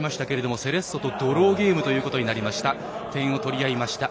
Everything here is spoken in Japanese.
セレッソとドローゲームとなりました。